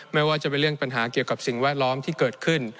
ไม่ว่าจะเป็นเรื่องปัญหาเกี่ยวกับสิ่งแวดล้อมที่เกิดขึ้น